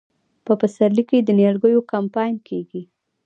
په پسرلي کې د نیالګیو کمپاین کیږي.